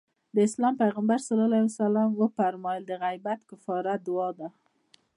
د اسلام پيغمبر ص وفرمايل د غيبت کفاره دعا ده.